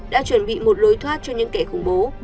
đã chuẩn bị một lối thoát cho những kẻ khủng bố